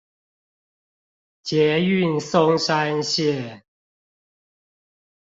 捷運松山線